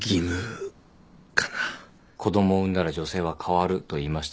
子供を産んだら女性は変わると言いましたよね。